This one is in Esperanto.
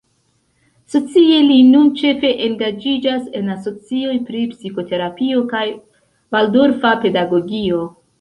Socie, li nun ĉefe engaĝiĝas en asocioj pri psikoterapio kaj valdorfa pedagogio.